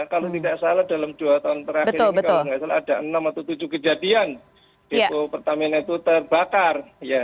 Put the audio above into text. kalau tidak salah dalam dua tahun terakhir ini kalau tidak salah ada enam atau tujuh kejadian depo pertamina itu terbakar